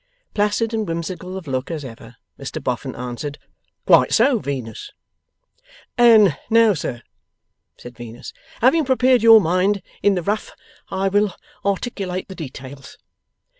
Placid and whimsical of look as ever, Mr Boffin answered: 'Quite so, Venus.' 'And now, sir,' said Venus, 'having prepared your mind in the rough, I will articulate the details.